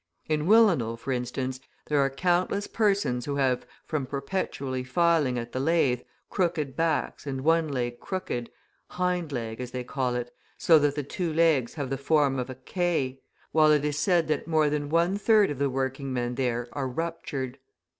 In Willenhall, for instance, there are countless persons who have, from perpetually filing at the lathe, crooked backs and one leg crooked, "hind leg" as they call it, so that the two legs have the form of a K; while it is said that more than one third of the working men there are ruptured.